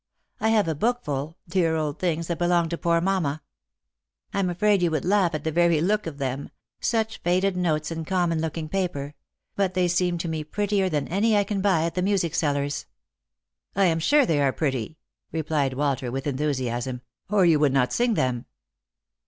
I have a book full — dear old things, that belonged to poor mamma. I am afraid you would laugh at the very look of them — such faded notes and common looking paper ; but they seem to me prettier than any I can buy at the music sellers'." " I am sure they are pretty," replied Walter with enthusiasm; " or you would not sing them."